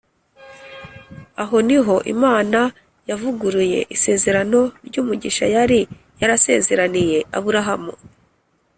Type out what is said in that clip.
aho ni ho imana yavugururiye isezerano ry’umugisha yari yarasezeraniye aburahamu,